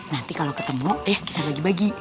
nanti kalau ketemu eh kita lagi bagi